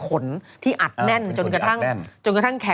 ก็ใช่ไง